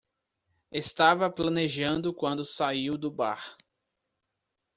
Ele estava planejando quando saiu do bar.